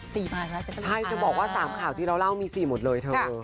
ใช่เธอบอกว่าสามข่าวที่เราเล่ามีสี่หมดเลยเธอ